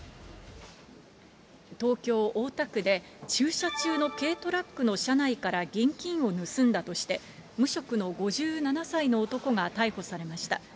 東京・大田区で、駐車中の軽トラックの車内から現金を盗んだとして、無職の５７歳の男が逮捕されました。